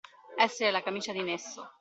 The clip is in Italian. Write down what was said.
Essere la camicia di Nesso.